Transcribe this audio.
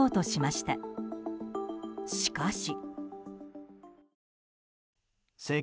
しかし。